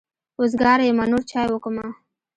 وزګاره يمه نور چای وکمه.